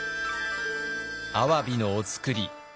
アワビのお造り